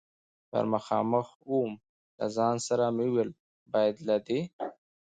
پر مخامخ ووم، له ځان سره مې وویل: باید له دې.